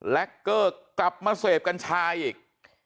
แร็กเกอร์กลับมาเซฟกัญชาอีก